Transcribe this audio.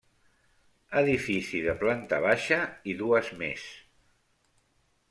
Edifici de planta baixa i dues més.